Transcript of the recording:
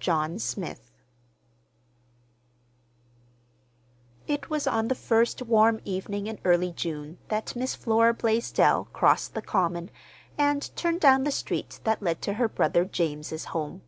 JOHN SMITH It was on the first warm evening in early June that Miss Flora Blaisdell crossed the common and turned down the street that led to her brother James's home.